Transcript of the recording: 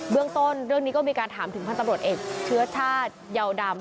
เรื่องต้นเรื่องนี้ก็มีการถามถึงพันธบรวจเอกเชื้อชาติเยาวดำ